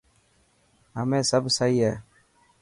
همي سب سهي هي؟